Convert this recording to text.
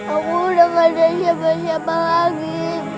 aku udah gak ada siapa siapa lagi